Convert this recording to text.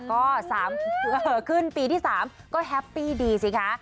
ก็๓ขึ้นปีที่๓ก็แฮปปี้ดีสิคะ